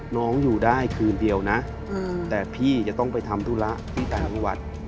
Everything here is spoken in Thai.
น้องอยู่ได้คืนเดียวนะแต่พี่จะต้องไปทำธุระที่ต่างจังหวัด